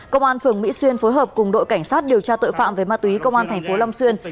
công an phường mỹ xuyên phối hợp cùng đội cảnh sát điều tra tội phạm về ma túy công an thành phố long xuyên